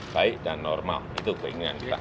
baik dan normal itu keinginan kita